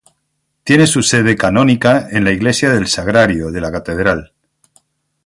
Tiene su sede canónica en la iglesia del Sagrario de la catedral.